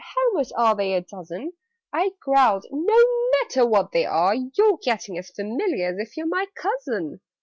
How much are they a dozen?" I growled "No matter what they are! You're getting as familiar As if you were my cousin!